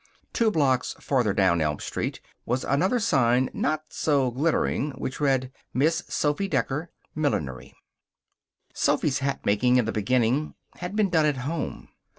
Two blocks farther down Elm Street was another sign, not so glittering, which read: Miss Sophy Decker Millinery Sophy's hatmaking, in the beginning, had been done at home.